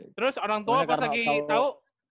terus orang tua pas lagi tahu